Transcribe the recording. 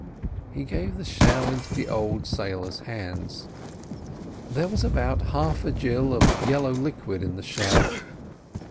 He gave the shell into the old sailor's hands. There was about half a gill of yellow liquid in the shell.